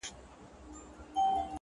ما خو خپل زړه هغې ته وركړى ډالۍ ـ